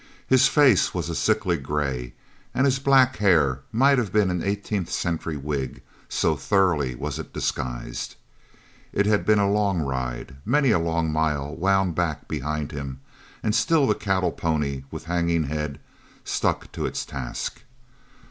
His face was a sickly grey, and his black hair might have been an eighteenth century wig, so thoroughly was it disguised. It had been a long ride. Many a long mile wound back behind him, and still the cattle pony, with hanging head, stuck to its task.